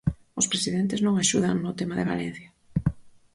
Os presidentes non axudan no tema de Valencia.